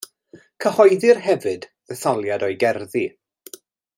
Cyhoeddir hefyd ddetholiad o'i gerddi.